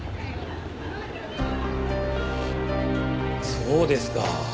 そうですか。